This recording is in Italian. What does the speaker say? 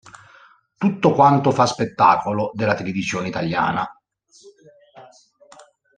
Tutto quanto fa spettacolo" della televisione italiana.